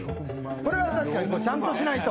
これは確かにちゃんとしないと。